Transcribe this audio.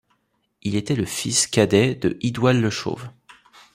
Il était le fils cadet de Idwal le Chauve.